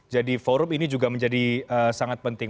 jadi forum ini juga menjadi sangat penting